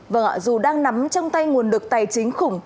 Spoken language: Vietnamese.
vâng dù đang nắm trong tay nguồn lực tài chính khủng